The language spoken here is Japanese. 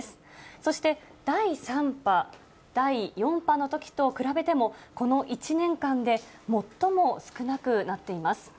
そして、第３波、第４波のときと比べても、この１年間で最も少なくなっています。